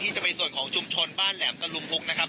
จะเป็นส่วนของชุมชนบ้านแหลมตะลุมพุกนะครับ